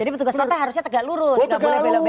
jadi petugas partai harusnya tegak lurus gak boleh berlutut